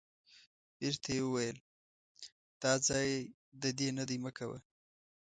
بیرته یې وویل دا ځای د دې نه دی مه کوه.